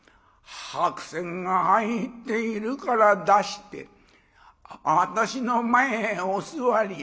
白扇が入っているから出して私の前へお座り」。